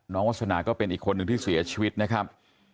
วาสนาก็เป็นอีกคนนึงที่เสียชีวิตนะครับ